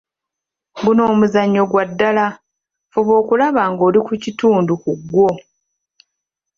Guno omuzannyo gwa ddala, fuba okulaba ng'oli ku kitundu ku gwo.